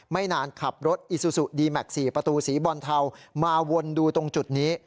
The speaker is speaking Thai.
ไม่นานขับรถอิซูซูดีแม็กซ์๔ประตูสีบอลเทามาวนดูตรงจุดนี้